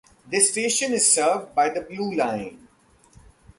This station is served by the Blue Line.